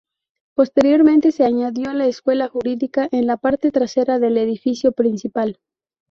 Posteriormente se añadió la Escuela Jurídica, en la parte trasera del edificio principal.